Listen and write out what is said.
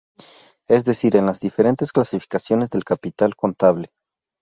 Es decir, en las diferentes clasificaciones del capital contable.